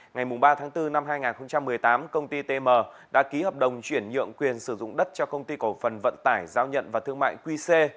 ngày ba tháng bốn năm hai nghìn một mươi tám công ty tm đã ký hợp đồng chuyển nhượng quyền sử dụng đất cho công ty cổ phần vận tải giao nhận và thương mại qc